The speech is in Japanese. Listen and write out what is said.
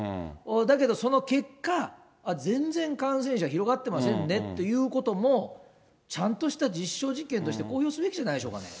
だけど、その結果、全然感染者、広がってませんねということも、ちゃんとした実証実験として公表すべきじゃないでしょうかね。